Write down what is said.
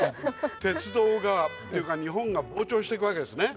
鉄道がというか日本が膨張していくわけですね。